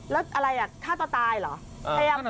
แล้วอะไรอ่ะฆ่าตัวตายเหรอเออฆ่าตัวตาย